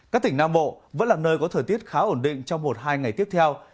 các tỉnh nam bộ vẫn là nơi có thời tiết khá ổn định trong một hai ngày tiếp theo